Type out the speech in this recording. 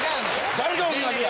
誰と同じや？